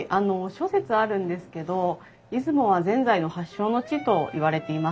諸説あるんですけど出雲はぜんざいの発祥の地といわれています。